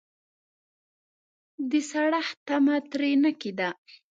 د سړښت تمه ترې نه کېده.